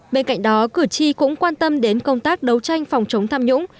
bên cạnh đó cử tri cũng quan tâm đến công tác đấu tranh phòng chống tham nhũng